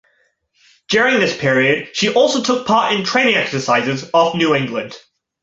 During this period, she also took part in training exercises off New England.